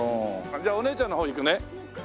じゃあお姉ちゃんの方いくね。